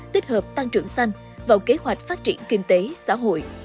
tích hợp tăng trưởng xanh vào kế hoạch phát triển kinh tế xã hội